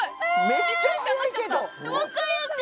めっちゃ速いけど。